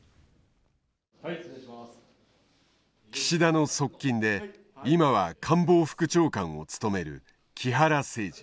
岸田の側近で今は官房副長官を務める木原誠二。